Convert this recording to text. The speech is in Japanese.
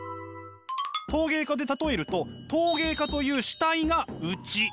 陶芸家で例えると陶芸家という主体が内。